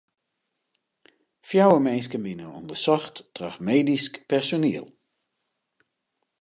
Fjouwer minsken binne ûndersocht troch medysk personiel.